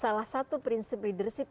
salah satu prinsip leadership